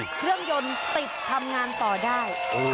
เครื่องยนต์ติดทำงานต่อได้